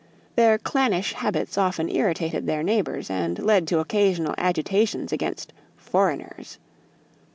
Their clannish habits often irritated their neighbors and led to occasional agitations against "foreigners."